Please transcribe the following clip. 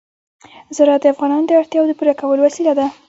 زراعت د افغانانو د اړتیاوو د پوره کولو وسیله ده.